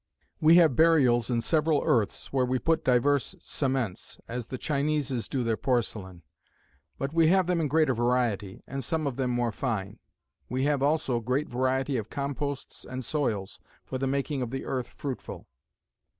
"We have burials in several earths, where we put diverse cements, as the Chineses do their porcellain. But we have them in greater variety, and some of them more fine. We have also great variety of composts and soils, for the making of the earth fruitful.